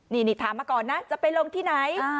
นี่ถามมาก่อนนะจะไปลงที่ไหน